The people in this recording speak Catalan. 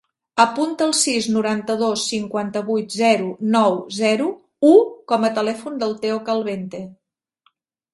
Apunta el sis, noranta-dos, cinquanta-vuit, zero, nou, zero, u com a telèfon del Theo Calvente.